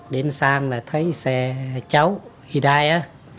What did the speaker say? đến sang là thấy xe cháu hì đai á